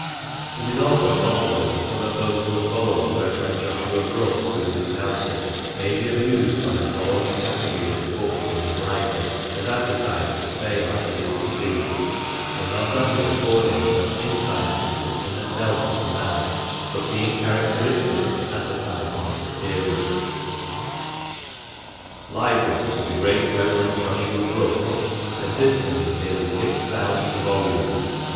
It is also possible that some of those who have followed the Rev. Joshua Brookes through this narrative may be amused by the following category of the books in his library, as advertised for sale after his decease, it not only affordine; some insight APPENDIX II, 465 into the inner self of the man, but being characteristic of the advertising of the period :— "Library of the late Rev. Joshua Brookes, consisting of nearly six thousand volumes.